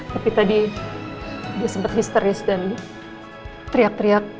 tapi tadi dia sempat histeris dan teriak teriak